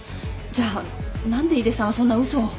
じゃあ何で井手さんはそんな嘘を。